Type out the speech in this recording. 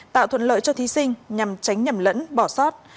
tạo thuận lợi cho thí sinh nhằm tránh nhầm lẫn bỏ sót